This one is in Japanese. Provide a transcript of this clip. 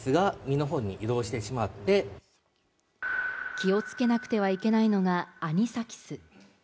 気をつけなくてはいけないのがアニサキス。